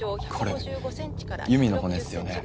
これユミの骨っすよね。